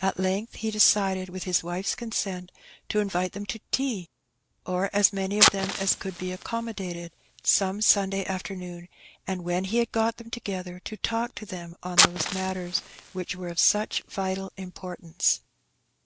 At length he decided, with his wife's consent, to invite them to tea, or as many of them as could be accommodated, some Sunday afternoon, and when he had got them together, to talk to them on those matters which were of such vital importance.